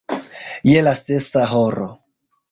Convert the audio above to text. je la sesa horo.